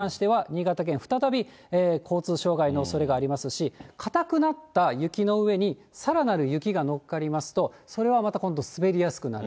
まず、この週末の金、土、日に関しては、新潟県、再び交通障害のおそれがありますし、硬くなった雪の上にさらなる雪がのっかりますと、それがまた今度滑りやすくなる。